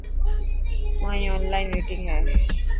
مائن اونلان مينٽنگ هي.